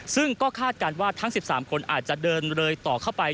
ซึ่งก็คาดการณ์ว่าทั้ง๑๓คนอาจจะเดินเลยต่อเข้าไป